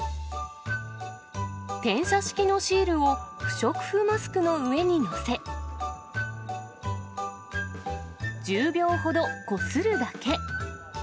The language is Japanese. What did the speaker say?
転写式のシールを不織布マスクの上に載せ、１０秒ほどこするだけ。